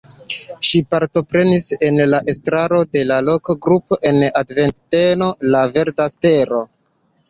Ŝi partoprenis en la estraro de la loka grupo en Antverpeno La Verda Stelo.